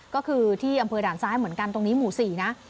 ก็คือที่อำเภอด่านซ้ายเหมือนกันตรงนี้หมู่๔นะ